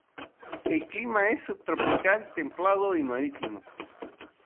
El clima es subtropical, templado y marítimo.